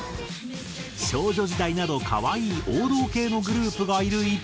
少女時代など可愛い王道系のグループがいる一方。